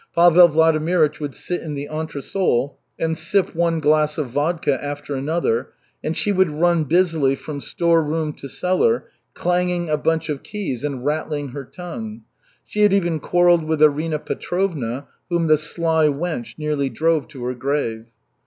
Pavel Vladimirych would sit in the entresol and sip one glass of vodka after another, and she would run busily from storeroom to cellar, clanging a bunch of keys, and rattling her tongue. She had even quarrelled with Arina Petrovna, whom the sly wench nearly drove to her grave.